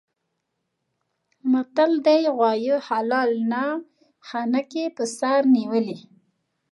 متل دی: غوایه حلال نه نښکي په سر نیولي.